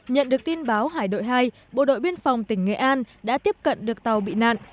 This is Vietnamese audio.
nhận được tin báo hải đội hai bộ đội biên phòng tỉnh nghệ an đã tiếp cận được tàu bị nạn